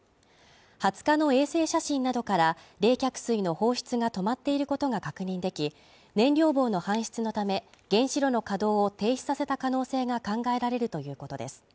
２０日の衛星写真などから冷却水の放出が止まっていることが確認でき、燃料棒の搬出のため、原子炉の稼働を停止させた可能性が考えられるということです。